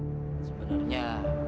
kami sudah menjelaskannya